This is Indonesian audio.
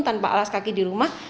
tanpa alas kaki di rumah